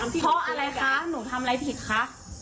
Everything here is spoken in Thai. เพราะอะไรคะหนูทำอะไรผิดคะ